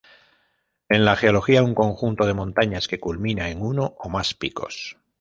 En la geología, un conjunto de montañas que culmina en uno o más picos.